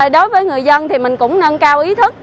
đối với người dân thì mình cũng nâng cao ý thức